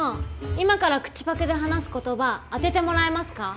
今から口パクで話す言葉当てて貰えますか？